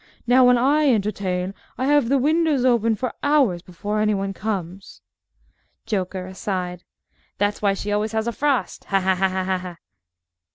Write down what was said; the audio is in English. Now, when I entertain, I have the windows open for hours before any one comes. JOKER (aside) That's why she always has a frost! Ha, ha!